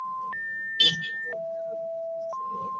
গোপন সূত্রে খবর পেয়ে রেলওয়ে থানার পুলিশ তাঁকে আটক করে তল্লাশি চালায়।